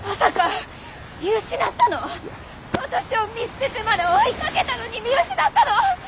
私を見捨ててまで追いかけたのに見失ったの！？